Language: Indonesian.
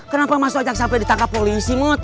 kenapa mas ojak sampai ditangkap polisi mot